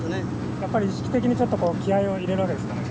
やっぱり意識的にちょっとこう気合いを入れるわけですかね？